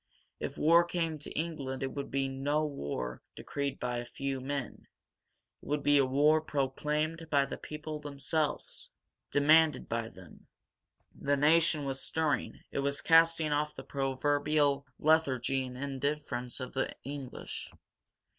If war came to England it would be no war decreed by a few men. It would be a war proclaimed by the people themselves, demanded by them. The nation was stirring; it was casting off the proverbial lethargy and indifference of the English.